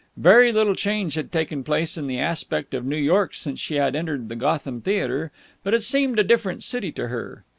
Very little change had taken place in the aspect of New York since she had entered the Gotham Theatre, but it seemed a different city to her.